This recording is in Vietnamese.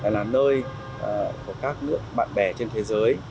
là nơi của các bạn bè trên thế giới